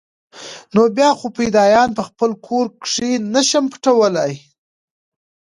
نو بيا خو فدايان په خپل کور کښې نه شم پټولاى.